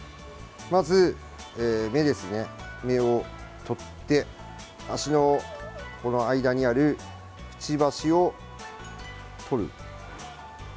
まず目を取って足の間にあるくちばしを取る。